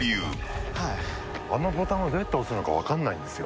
あのボタンをどうやって押すのか分かんないんですよ。